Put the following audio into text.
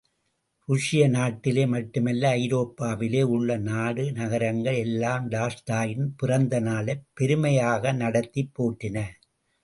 ருஷ்ய நாட்டிலே மட்டுமல்ல, ஐரோப்பாவிலே உள்ள நாடு நகரங்கள் எல்லாம் டால்ஸ்டாயின் பிறந்த நாளைப் பெருமையாக நடத்திப் போற்றின.